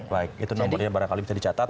baik itu nomornya barangkali bisa dicatat